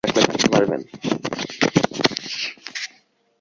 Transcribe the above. সুচরিতা কহিল, সেখানে তিনি কি একলা থাকতে পারবেন?